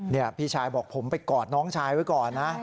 นี่พี่ชายบอกผมไปกอดน้องชายไว้ก่อนนะ